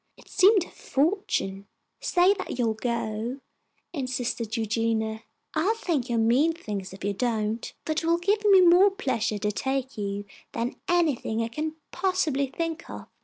It seemed a fortune. "Say that you will go," insisted Eugenia. "I'll think you're mean things if you don't, for it will give me more pleasure to take you than anything I can possibly think of."